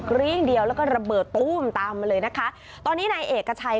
กริ้งเดียวแล้วก็ระเบิดตู้มตามมาเลยนะคะตอนนี้นายเอกชัย